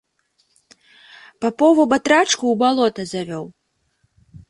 Папову батрачку ў балота завёў.